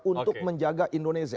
untuk menjaga indonesia